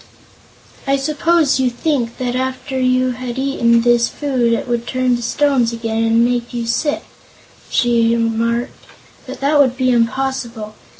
"I suppose you think that after you had eaten this food it would turn to stones again and make you sick," she remarked; "but that would be impossible.